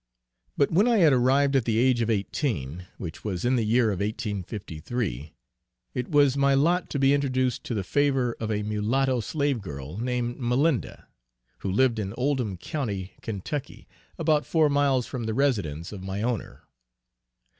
But when I had arrived at the age of eighteen, which was in the year of 1833, it was my lot to be introduced to the favor of a mulatto slave girl named Malinda, who lived in Oldham County, Kentucky, about four miles from the residence of my owner.